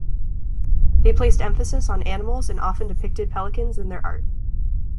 They placed emphasis on animals and often depicted pelicans in their art.